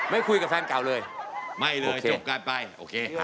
ไม่คุยกับแฟนเก่าเลยไม่เลยจบกันไปโอเค